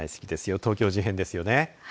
東京事変ですよね。